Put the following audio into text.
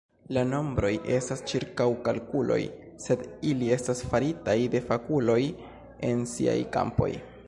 La nombroj estas ĉirkaŭkalkuloj, sed ili estas faritaj de fakuloj en siaj kampoj.